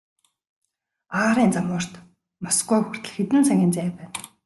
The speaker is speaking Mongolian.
Агаарын зам урт, Москва хүртэл хэдэн цагийн зай байна.